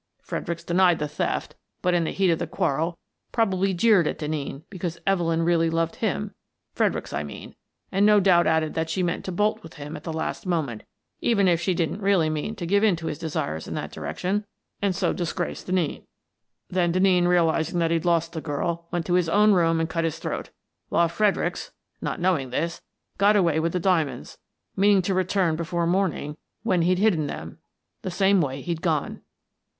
Fred ericks denied the theft, but, in the heat of the quarrel, probably jeered at Denneen because Evelyn really loved him — Fredericks, I mean — and no doubt added that she meant to bolt with him at the last moment — even if she didn't really mean to give in to his desires in that direction — and so disgrace 58 Miss Frances Baird, Detective Denneen. Then Denneen, realizing that he'd lost the girl, went to his own room and cut his throat, while Fredericks, not knowing this, got away with the diamonds, meaning to return before morning, when he'd hidden them, the same way he'd gone."